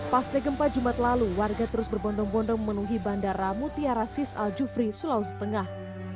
pasca gempa jumat lalu warga terus berbondong bondong memenuhi bandara mutiara sis al jufri sulawesi tengah